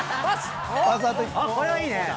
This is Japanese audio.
これはいいね。